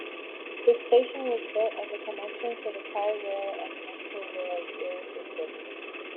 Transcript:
The station was built as a connection for the Tri-Rail and Metrorail rail systems.